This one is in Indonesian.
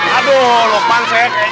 aduh lok pang